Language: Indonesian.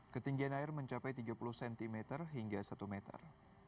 ketinggian air mencapai tiga puluh cm hingga satu meter